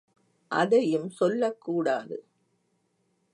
அதையும் சொல்லக் கூடாது.